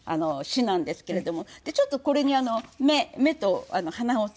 でちょっとこれに目と鼻を付けて。